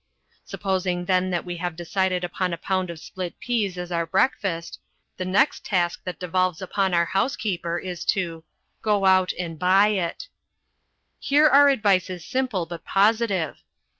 Supposing then that we have decided upon a pound of split peas as our breakfast, the next task that devolves upon our housekeeper is to GO OUT AND BUY IT Here our advice is simple but positive.